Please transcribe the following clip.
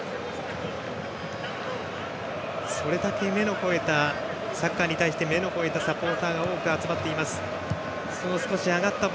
それだけサッカーに対して目の肥えたサポーターが多く集まっています。